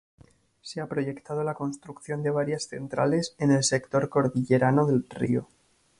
Se ha proyectado la construcción de varias centrales en el sector cordillerano del río.